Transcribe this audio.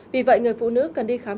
vì vậy người phụ nữ cần đi khám